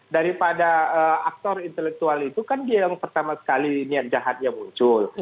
daripada aktor intelektual itu kan dia yang pertama sekali niat jahatnya muncul